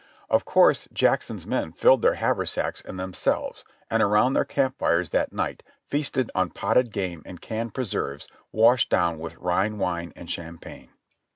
Of course Jackson's men filled their haversacks and themselves, and around their camp fires that night feasted on potted game and canned preserves washed down with Rhine wine and champagne.